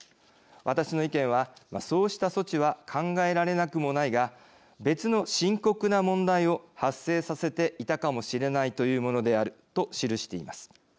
私の意見はそうした措置は考えられなくもないが別の深刻な問題を発生させていたかもしれないというものである」と記しています。